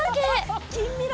近未来！